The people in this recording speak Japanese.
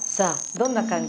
「どんな感じ」？